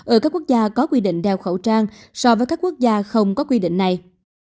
ở các quốc gia có quy định đeo khẩu trang so với các quốc gia không có quy định này